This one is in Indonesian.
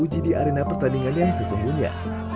uji di arena pertandingan yang sesungguhnya